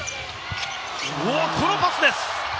このパスです。